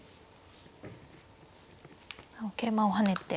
桂馬を跳ねて。